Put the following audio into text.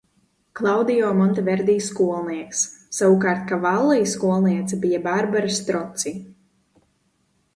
Klaudio Monteverdi skolnieks, savukārt Kavalli skolniece bija Barbara Stroci.